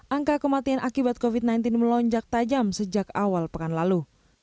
angka kematian akibat covid sembilan belas melonjak tajam sejak awal pekan lalu